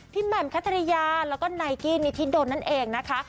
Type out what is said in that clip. แหม่มคัทริยาแล้วก็ไนกี้นิธิดลนั่นเองนะคะ